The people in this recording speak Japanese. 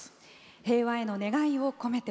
平和への願いを込めて。